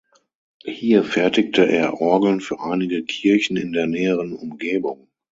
Hier fertigte er Orgeln für einige Kirchen in der näheren Umgebung.